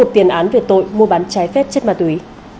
một tiền án về tội mua bán trái phép chất ma túy